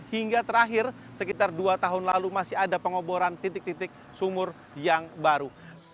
hingga terakhir sekitar dua tahun lalu masih ada pengoboran titik titik sumur yang baru